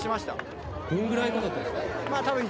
どんぐらいかかったんですか？